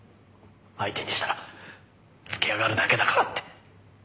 相手にしたらつけ上がるだけだからって。